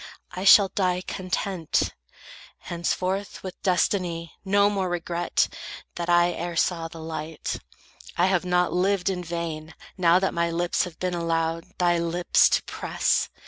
I shall die content; Henceforth, with destiny, no more regret That I e'er saw the light. I have not lived In vain, now that my lips have been allowed Thy lips to press.